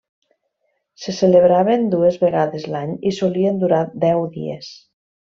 Se celebraven dues vegades l'any i solien durar deu dies.